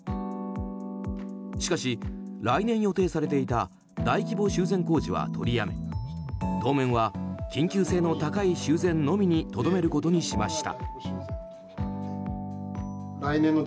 しかし、来年予定されていた大規模修繕工事は取りやめ当面は緊急性の高い修繕のみにとどめることにしました。